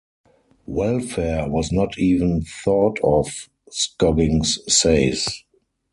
Welfare was not even thought of, Scoggins says.